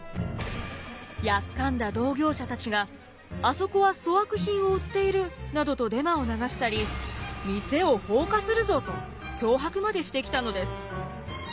やっかんだ同業者たちがあそこは粗悪品を売っているなどとデマを流したり店を放火するぞと脅迫までしてきたのです。